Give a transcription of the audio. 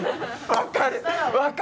分かる！